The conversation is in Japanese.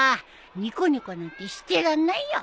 ニコニコなんてしてらんないよ